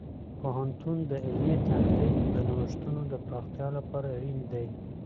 پوهنتون د علمي تحقیق د نوښتونو د پراختیا لپاره اړین دی.